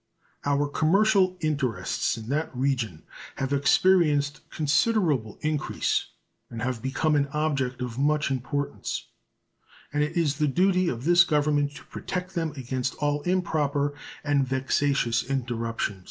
Our commercial interests in that region have experienced considerable increase and have become an object of much importance, and it is the duty of this Government to protect them against all improper and vexatious interruption.